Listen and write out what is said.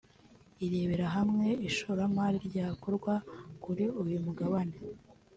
irebera hamwe ishoramari ryakorwa kuri uyu mugabane